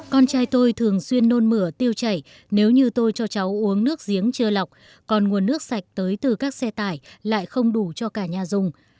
con trai tôi thường xuyên nôn mửa tiêu chảy nếu như tôi cho cháu uống nước giếng chưa lọc còn nguồn nước sạch tới từ các xe tải lại không đủ cho cả nhà dùng